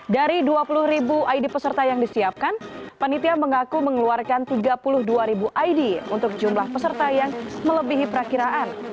dari dua puluh ribu id peserta yang disiapkan panitia mengaku mengeluarkan tiga puluh dua ribu id untuk jumlah peserta yang melebihi perakiraan